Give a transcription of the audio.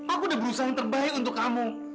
aku udah berusaha yang terbaik untuk kamu